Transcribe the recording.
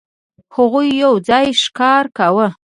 هغوی یو ځای ښکار کاوه.